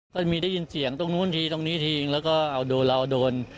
ก็จะมีได้ยินเสียงตรงนู้นทีตรงนี้ทีแล้วก็เอาโดนเราโดน